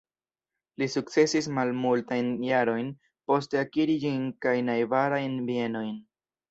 Li sukcesis malmultajn jarojn poste akiri ĝin kaj najbarajn bienojn.